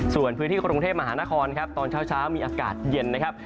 ส่วนพื้นที่กรุงเทพมหานครครับตอนเช้ามีอากาศเย็นนะครับ